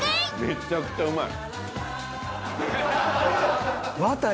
めちゃくちゃうまい。